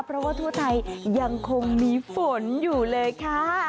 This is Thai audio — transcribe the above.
เพราะว่าทั่วไทยยังคงมีฝนอยู่เลยค่ะ